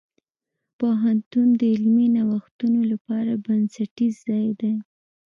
پوهنتون د علمي نوښتونو لپاره بنسټیز ځای دی.